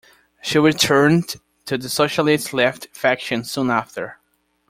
She returned to the Socialist Left faction soon after.